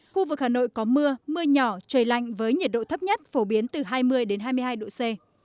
khu vực hà nội có mưa mưa nhỏ trời lạnh với nhiệt độ thấp nhất phổ biến từ hai mươi hai mươi hai độ c